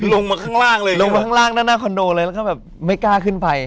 ลงมาข้างล่างเข้าแบบไม่กล้าขึ้นไป